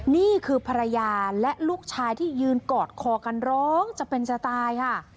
นี่คือภรรยาและลูกชายที่ยืนกอดคอกันร้องจะเป็นจะตายค่ะ